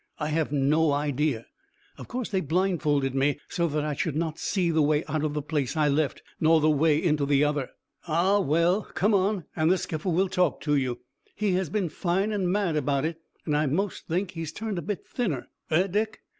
"I have no idea. Of course they blindfolded me, so that I should not see the way out of the place I left, nor the way into the other." "Ah, well, come on, and the skipper will talk to you. He has been fine and mad about it, and I 'most think he's turned a bit thinner, eh, Dick?"